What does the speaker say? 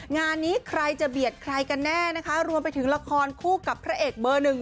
งานนี้ใครจะเบียดใครกันแน่นะคะรวมไปถึงละครคู่กับพระเอกเบอร์หนึ่ง